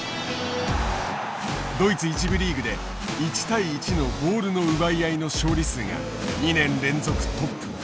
ドイツ１部リーグで１対１のボールの奪い合いの勝利数が２年連続トップ。